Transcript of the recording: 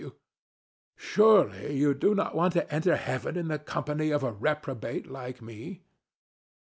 DON JUAN. Surely you do not want to enter Heaven in the company of a reprobate like me.